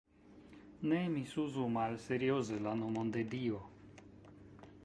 Ne misuzu malserioze la nomon de Dio.